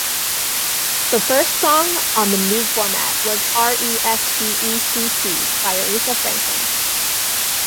The first song on the new format was "R-E-S-P-E-C-T" by Aretha Franklin.